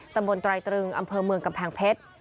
ไตรตรึงอำเภอเมืองกำแพงเพชร